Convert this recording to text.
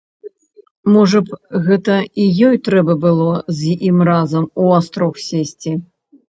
Можа б, гэта і ёй трэба было з ім разам у астрог сесці.